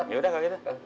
yaudah kalau gitu